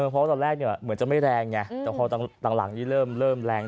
เพราะตอนแรกเหมือนจะไม่แรงแต่พอต่างหลังเริ่มแรง